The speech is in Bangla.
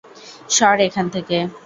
সর এখান থেকে।